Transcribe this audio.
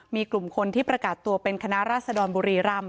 มีกลุ่มคนที่ประกาศตัวเป็นคณะราษฎรบุรีรำ